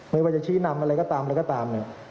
ไม่ว่าจะชี้นำอะไรก็ตามอะไรก็ตามเนี่ย